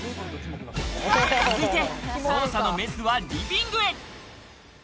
続いて捜査のメスはリビングへ。